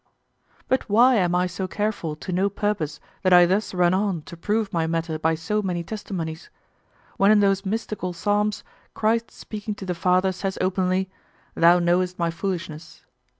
But why am I so careful to no purpose that I thus run on to prove my matter by so many testimonies? when in those mystical Psalms Christ speaking to the Father says openly, "Thou knowest my foolishness."